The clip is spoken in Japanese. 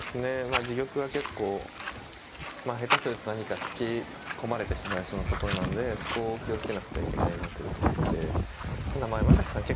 自玉が結構下手すると何かつけ込まれてしまいそうなところなのでそこを気を付けなくてはいけないなというところでただまあ山崎さん